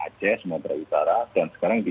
aceh sumatera utara dan sekarang di